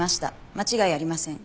間違いありません。